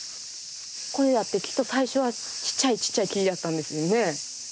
これだってきっと最初はちっちゃいちっちゃい木やったんですよね。